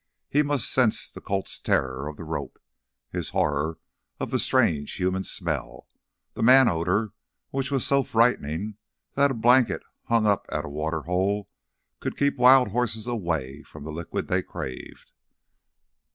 He must sense the colt's terror of the rope, his horror of the strange human smell—the man odor which was so frightening that a blanket hung up at a water hole could keep wild horses away from the liquid they craved.